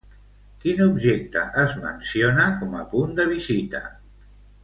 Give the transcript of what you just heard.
Quin objecte es menciona com a punt de visita?